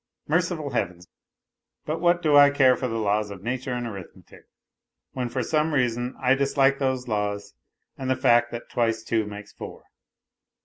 HVjuful Heavens ! but what do I care lor the laws of nature NOTES FROM UNDERGROUND 59 and arithmetic, when, for some reason I dislike those laws and the fact that twice two makes four